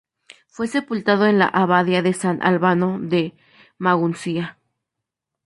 Fue sepultado en la abadía de San Albano de Maguncia.